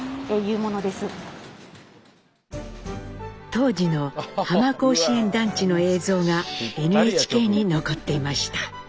当時の浜甲子園団地の映像がＮＨＫに残っていました。